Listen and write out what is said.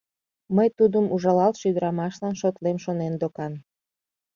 Мый тудым ужалалтше ӱдырамашлан шотлем шонен докан.